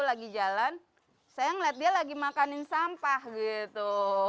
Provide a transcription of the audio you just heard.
lagi jalan saya ngeliat dia lagi makanin sampah gitu